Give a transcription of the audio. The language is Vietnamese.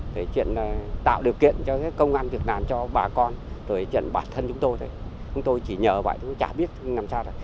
thì chuyện tạo điều kiện cho công ăn việc làm cho bà con rồi chuyện bản thân chúng tôi chúng tôi chỉ nhờ vậy chả biết làm sao